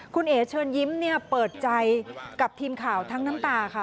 คุณเอ๋เชิญยิ้มเปิดใจกับทีมข่าวทั้งน้ำตาค่ะ